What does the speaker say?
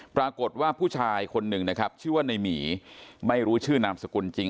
ปรากฏว่าผู้ชายคนหนึ่งนะครับชื่อว่าในหมีไม่รู้ชื่อนามสกุลจริง